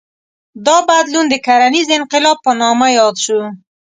دا بدلون د کرنیز انقلاب په نامه یاد شو.